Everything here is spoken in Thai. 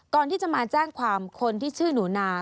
ก่อนที่จะมาแจ้งความคนที่ชื่อหนูนา